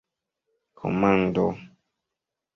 komando